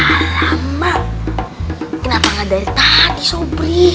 alamak kenapa nggak dari tadi sobri